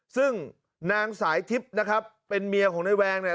ซึ่งนางสายทิพย์นะครับเป็นเมียของนายแวงเนี่ย